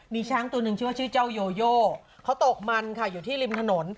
มีช้างตัวหนึ่งชื่อว่าชื่อเจ้าโยโยเขาตกมันค่ะอยู่ที่ริมถนน